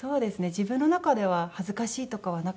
自分の中では恥ずかしいとかはなかったです。